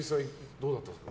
どうだったんですか？